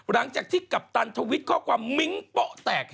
หลังจากที่กัปตันทวิตข้อความมิ้งโป๊ะแตก